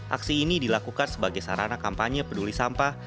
aksi ini dilakukan sebagai sarana kampanye peduli sampah